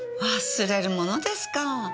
忘れるものですか。